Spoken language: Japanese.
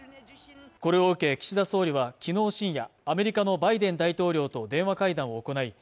これを受け岸田総理は昨日深夜アメリカのバイデン大統領と電話会談を行い